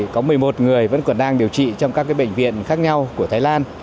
có một mươi một người vẫn còn đang điều trị trong các bệnh viện khác nhau của thái lan